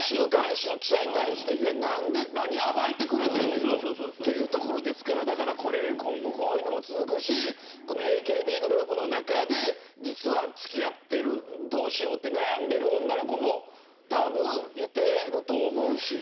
週刊誌の記者に対して何、暴いてくれてんねんって今後、こういうのも続くしＡＫＢグループの中で実は付き合っててどうしよって悩んでる女の子もたぶんいてると思うし。